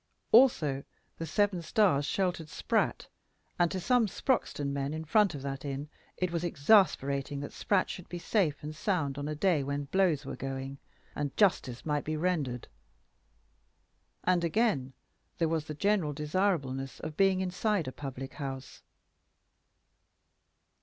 Also the Seven Stars sheltered Spratt; and to some Sproxton men in front of that inn it was exasperating that Spratt should be safe and sound on a day when blows were going, and justice might be rendered. And again, there was the general desirableness of being inside a public house.